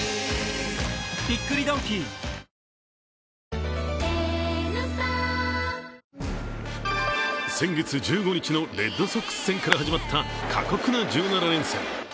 政府は、この取り組みを今後先月１５日のレッドソックス戦から始まった過酷な１７連戦。